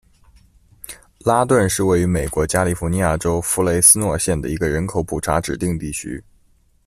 拉顿是位于美国加利福尼亚州弗雷斯诺县的一个人口普查指定地区。